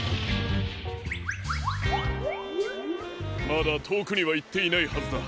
まだとおくにはいっていないはずだ。